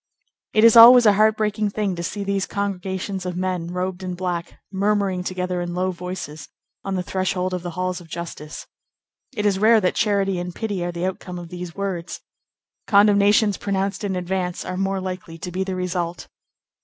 It is always a heart breaking thing to see these congregations of men robed in black, murmuring together in low voices, on the threshold of the halls of justice. It is rare that charity and pity are the outcome of these words. Condemnations pronounced in advance are more likely to be the result.